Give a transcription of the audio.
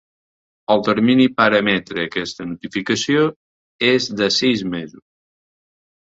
El termini per emetre aquesta notificació és de sis mesos.